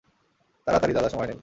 তারাতাড়ি, দাদা, সময় নেই!